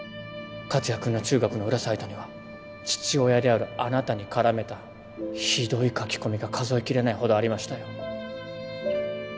克哉君の中学の裏サイトには父親であるあなたに絡めたひどい書き込みが数えきれないほどありましたよ。